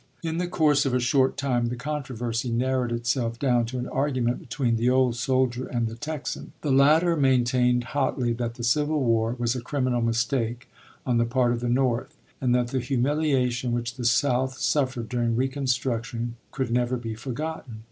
In the course of a short time the controversy narrowed itself down to an argument between the old soldier and the Texan. The latter maintained hotly that the Civil War was a criminal mistake on the part of the North and that the humiliation which the South suffered during Reconstruction could never be forgotten.